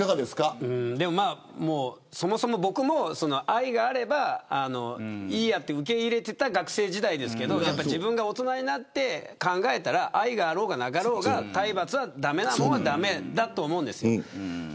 そもそも、僕も愛があればいいやと受け入れていた学生時代ですけれど自分が大人になって考えたら愛があろうがなかろうか体罰は駄目なものは駄目だと思うんです。